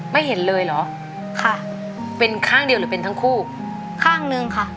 ไม่เห็นเลยเหรอค่ะเป็นข้างเดียวหรือเป็นทั้งคู่ข้างหนึ่งค่ะ